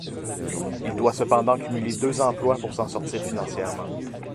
Il doit cependant cumuler deux emplois pour s'en sortir financièrement.